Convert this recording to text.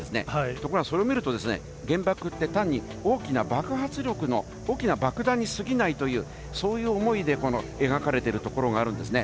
ところがそれを見ると、原爆って単に大きな爆発力の大きな爆弾にすぎないという、そういう思いで描かれているところがあるんですね。